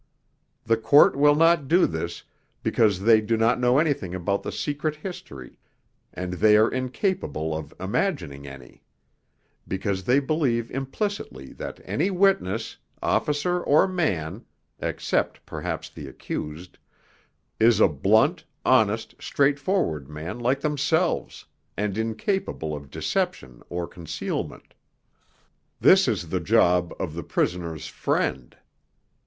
The Court will not do this, because they do not know anything about the secret history, and they are incapable of imagining any; because they believe implicitly that any witness, officer or man (except perhaps the accused), is a blunt, honest, straightforward man like themselves, and incapable of deception or concealment. This is the job of the Prisoner's Friend.